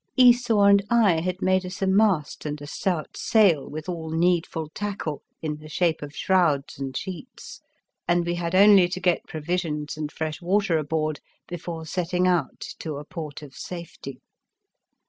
Esau and I had made us a mast and a stout sail with all needful tackle in the shape of shrouds and sheets, and we had only to get provisions and io6 The Fearsome Island fresh water aboard before setting out to a port of safety.